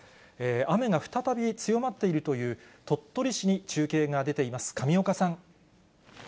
雨が再び強まっているという鳥取市に中継が出ています。